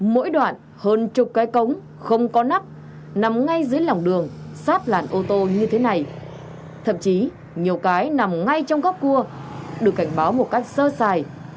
mỗi đoạn hơn chục cái cống không có nắp nằm ngay dưới lòng đường sát làn ô tô như thế này thậm chí nhiều cái nằm ngay trong góc cua được cảnh báo một cách sơ sài